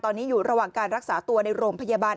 ตอนนี้อยู่ระหว่างการรักษาตัวในโรงพยาบาล